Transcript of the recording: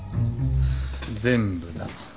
全部だ。